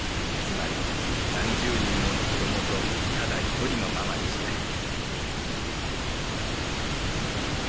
つまり何十人もの子どもとただ一人のママでした。